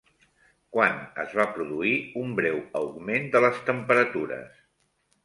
Quan es va produir un breu augment de les temperatures?